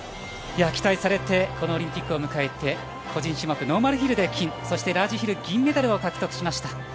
期待されてこのオリンピックを迎えて個人種目、ノーマルヒルで金ラージヒル銀メダルを獲得しました。